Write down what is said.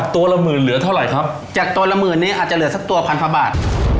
แต่ตัวละหมื่นเนี่ยอาจจะเหลือ๑ตัวพันธุ์กว่าบาท